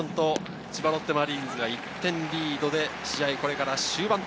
千葉ロッテマリーンズが１点リードで試合はこれから終盤。